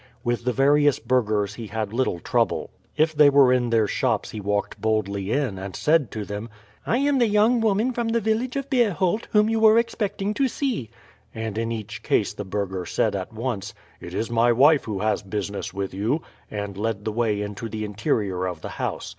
With the various burghers he had little trouble. If they were in their shops he walked boldly in, and said to them, "I am the young woman from the village of Beerholt, whom you were expecting to see;" and in each case the burgher said at once, "It is my wife who has business with you," and led the way into the interior of the house.